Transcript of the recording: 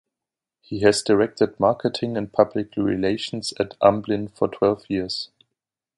He has directed marketing and public relations at Amblin for twelve years.